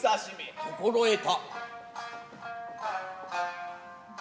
心得た。